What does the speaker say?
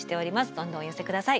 どんどんお寄せ下さい。